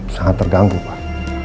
sangat terganggu pak